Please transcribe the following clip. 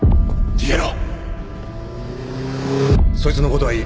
逃げろ！